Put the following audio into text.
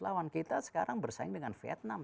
lawan kita sekarang bersaing dengan vietnam